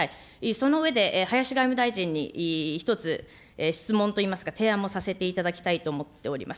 その上で林外務大臣に１つ、質問といいますか、提案もさせていただきたいと思っております。